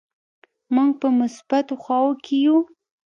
موږ په مثبتو خواو کې نه یو.